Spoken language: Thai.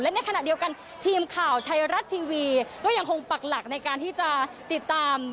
ในขณะเดียวกันทีมข่าวไทยรัฐทีวีก็ยังคงปักหลักในการที่จะติดตาม